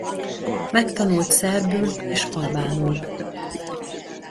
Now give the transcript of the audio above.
Megtanult szerbül és albánul.